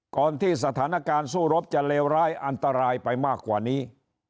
ก่อนที่สถานการณ์สู้รบจะเลวร้ายอันตรายไปมากกว่านี้